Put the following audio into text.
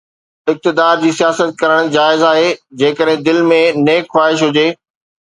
اقتدار جي سياست ڪرڻ جائز آهي، جيڪڏهن دل ۾ نيڪ خواهش هجي.